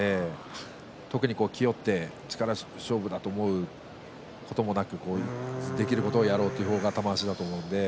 特に気負って力勝負だと思うこともなくできることをやろうとそう思っていたのは玉鷲でしたね。